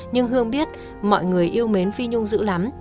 nhưng hương biết mọi người yêu mến phí nhung dữ lắm